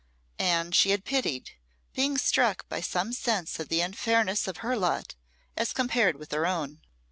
Anne she had pitied, being struck by some sense of the unfairness of her lot as compared with her own.